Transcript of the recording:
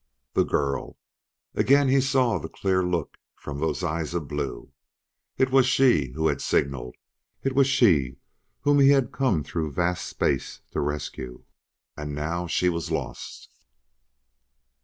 The girl! Again he saw the clear look from those eyes of blue. It was she who had signaled; it was she whom he had come through vast space to rescue. And now she was lost!